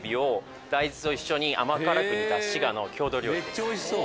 めっちゃおいしそう！